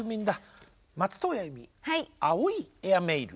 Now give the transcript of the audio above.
松任谷由実「青いエアメイル」。